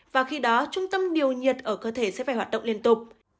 và khi đó trung tâm điều nhiệt ở cơ thể sẽ phải hoạt động liên tục